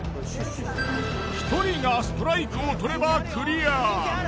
１人がストライクをとればクリア！